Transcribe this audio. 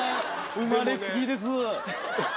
生まれつきです。